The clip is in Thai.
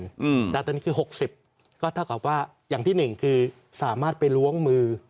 แต่ตอนนี้คือ๖๐อย่างที่๑คือสามารถไปล้วงมือ